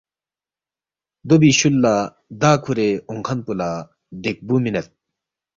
دو بی شُول لہ دا کُھورے اونگ کھن پو لہ دیکبُو مِنید